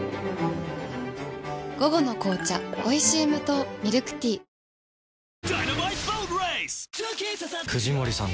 午後の紅茶おいしい無糖ミルクティーほら。